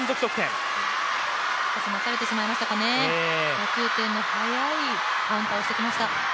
打球点の速いカウンターをしてきました。